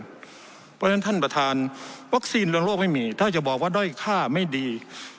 เพราะฉะนั้นท่านประธานวัคซีนเรื่องโลกไม่มีถ้าจะบอกว่าด้อยค่าไม่ดี